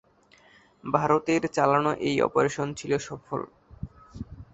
ভারতের চালানো এই অপারেশন ছিল সফল।